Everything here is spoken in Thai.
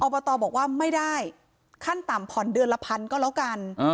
บตบอกว่าไม่ได้ขั้นต่ำผ่อนเดือนละพันก็แล้วกัน